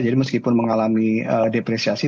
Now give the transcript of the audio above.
jadi meskipun mengalami depresiasi